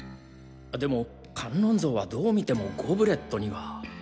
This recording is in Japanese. でも観音像はどう見てもゴブレットには。